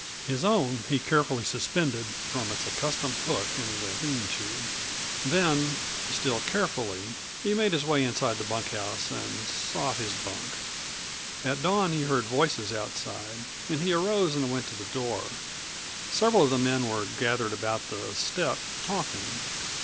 His own he carefully suspended from its accustomed hook in the lean to. Then, still carefully, he made his way inside the bunkhouse and sought his bunk. At dawn he heard voices outside and he arose and went to the door. Several of the men were gathered about the step talking.